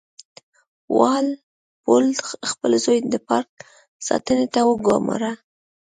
وال پول خپل زوی د پارک ساتنې ته وګوماره.